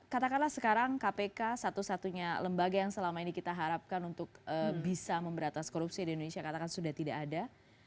katakanlah sekarang kpk satu satunya lembaga yang selama ini kita harapkan untuk bisa memberatas korupsi di indonesia katakan sudah tidak ada